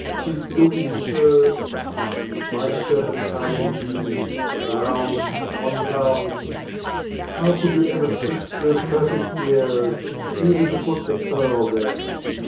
keep looking so My serpentining beauty, rounds on rounds! How could you ever prick those perfect ears, Even to put the pearl there!